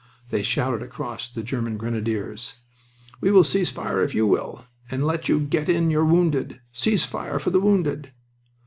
They shouted across to the German grenadiers: "We will cease fire if you will, and let you get in your wounded... Cease fire for the wounded!"